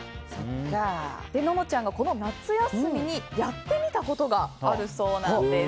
ののちゃんが、この夏休みにやってみたことがあるそうなんです。